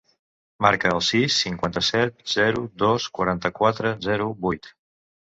Marca el sis, cinquanta-set, zero, dos, quaranta-quatre, zero, vuit.